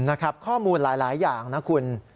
นะครับข้อมูลหลายอย่างนะคุณ